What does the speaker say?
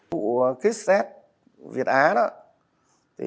vụ kích tét việt á đó